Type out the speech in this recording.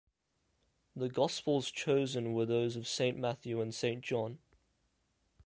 The gospels chosen were those of Saint Matthew and Saint John.